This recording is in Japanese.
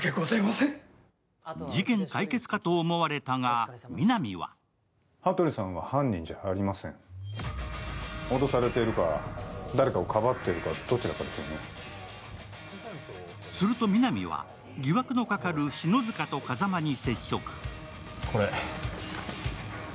事件解決かと思われたが、皆実はすると、皆実は疑惑のかかる篠塚と風間に接触。